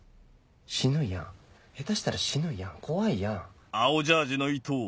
死ぬやん下手したら死ぬやん怖いやん。